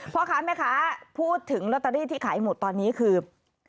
พ่อค้าแม่ค้าพูดถึงลอตเตอรี่ที่ขายหมดตอนนี้คือ